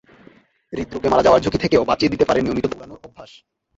হূদরোগে মারা যাওয়ার ঝুঁকি থেকেও বাঁচিয়ে দিতে পারে নিয়মিত দৌড়ানোর অভ্যাস।